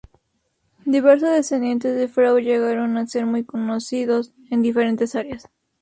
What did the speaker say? Diversos descendientes de Freud llegaron a ser muy conocidos en diferentes áreas.